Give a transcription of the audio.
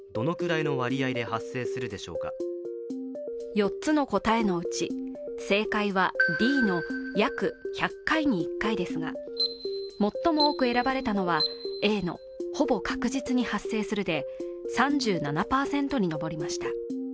４つの答えのうち正解はＤの「約１００回に１回」ですが最も多く選ばれたのはＡの「ほぼ確実に発生する」で、３７％に上りました。